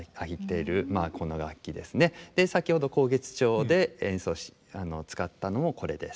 先ほど「慷月調」で演奏に使ったのもこれです。